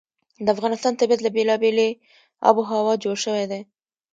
د افغانستان طبیعت له بېلابېلې آب وهوا جوړ شوی دی.